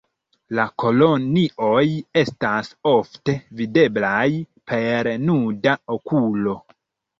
La kolonioj estas ofte videblaj per nuda okulo.